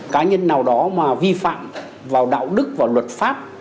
cá nhân nào đó mà vi phạm vào đạo đức và luật pháp